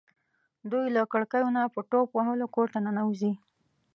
دوی له کړکیو نه په ټوپ وهلو کور ته ننوځي.